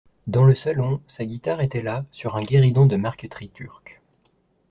Dans le salon, sa guitare était là, sur un guéridon de marqueterie turque.